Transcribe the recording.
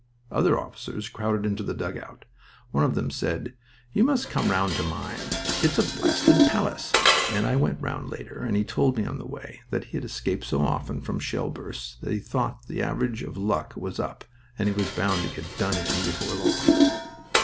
Other officers crowded into the dugout. One of them said: "You must come round to mine. It's a blasted palace," and I went round later and he told me on the way that he had escaped so often from shell bursts that he thought the average of luck was up and he was bound to get "done in" before long.